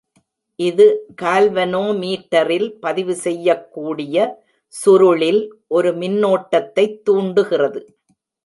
இது, கால்வனோமீட்டரில் பதிவு செய்யக்கூடிய சுருளில் ஒரு மின்னோட்டத்தைத் தூண்டுகிறது.